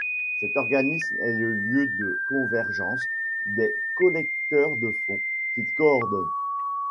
Cet organisme est le lieu de convergence des collecteurs de fonds, qu’il coordonne.